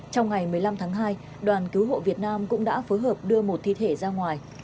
trong ngày một mươi năm tháng hai đoàn cứu hộ việt nam cũng đã phối hợp đưa một thi thể ra ngoài